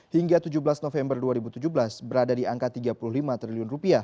hingga tujuh belas november dua ribu tujuh belas berada di angka rp tiga puluh lima triliun